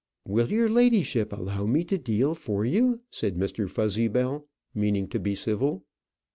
"Will your ladyship allow me to deal for you?" said Mr. Fuzzybell, meaning to be civil.